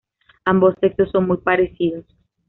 Ambos sexos son muy parecidos.